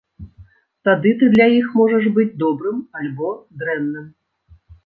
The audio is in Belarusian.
Тады ты для іх можаш быць добрым альбо дрэнным.